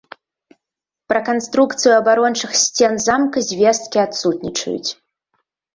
Пра канструкцыю абарончых сцен замка звесткі адсутнічаюць.